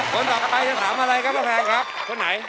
คนต่อไปจะถามอะไรครับป้าแพงครับคนไหน